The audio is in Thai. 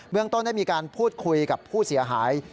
เมืองต้นได้มีการพูดคุยกับผู้เสียหาย